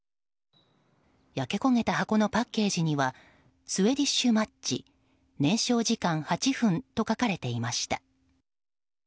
焼け焦げた箱のパッケージにはスウェディッシュマッチ燃焼時間８分と書かれていました。